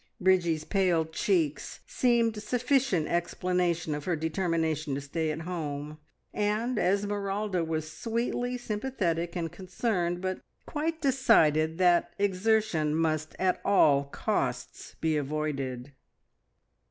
Bridgie's pale cheeks seemed sufficient explanation of her determination to stay at home, and Esmeralda was sweetly sympathetic and concerned, but quite decided that exertion must at all costs be avoided.